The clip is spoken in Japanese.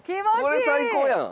これ最高やん！